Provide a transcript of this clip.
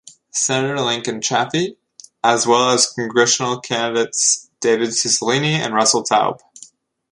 Senator Lincoln Chafee, as well as congressional candidates David Cicillini and Russell Taub.